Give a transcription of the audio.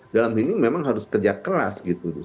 dalam ini memang harus kerja keras gitu